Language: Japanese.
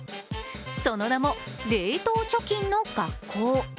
その名も、冷凍貯金のがっこう。